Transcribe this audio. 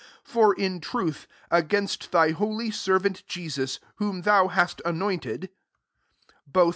27 For in truth, against thy holy servant Jesus, whom thou hast anointed, both • pr.